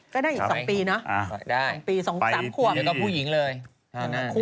ก็ได้อีก๒ปีเนอะ๒ปี๓ขวบ